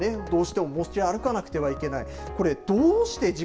どうしても持ち歩かなくてはいけない。